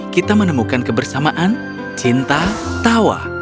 kita menemukan kebersamaan cinta tawa